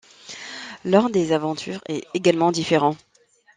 L'ordre des aventures est également différent.